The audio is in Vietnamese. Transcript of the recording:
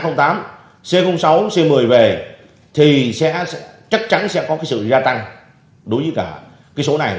khi đối sánh những cái số liệu của a tám c sáu c một mươi về thì sẽ chắc chắn sẽ có cái sự gia tăng đối với cả cái số này